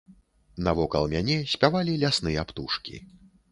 Навокал мяне спявалі лясныя птушкі.